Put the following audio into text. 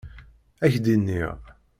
Ad k-d-iniɣ.